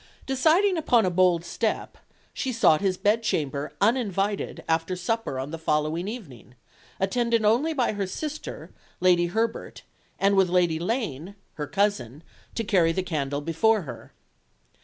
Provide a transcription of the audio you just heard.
Deciding upon a bold step, she sought his bed chamber uninvited after supper on the following evening, attended only by her sister, Lady Herbert, and with Lady Lane, her cousin, to carry the candle before her.